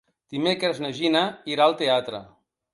Dimecres na Gina irà al teatre.